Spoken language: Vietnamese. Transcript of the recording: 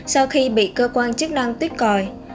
sau khi bị cơ quan chức năng tuyết còi